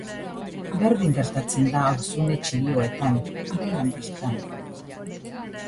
Berdin gertatzen da auzune txiroetan, hiri handietan.